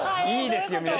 いいですよ